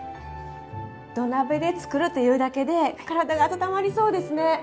土鍋で作るというだけで体が温まりそうですね。